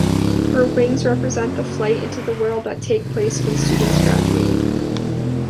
Her wings represent the flight into the world that take place when students graduate.